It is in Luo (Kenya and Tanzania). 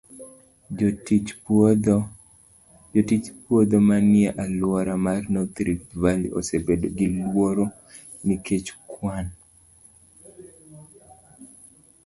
Jotich puodho manie alwora mar North Rift Valley osebedo gi luoro nikech kwan